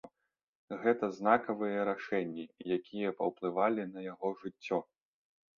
Гэта знакавыя рашэнні, якія паўплывалі на яго жыццё.